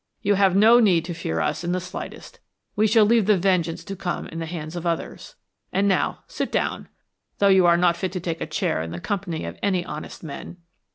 "You have no need to fear us in the slightest. We shall leave the vengeance to come in the hands of others. And now sit down though you are not fit to take a chair in the company of any honest men."